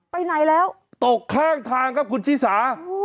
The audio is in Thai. ไปไหนแล้วตกข้างทางครับคุณชิสา